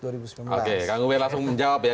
oke kang ubed langsung menjawab ya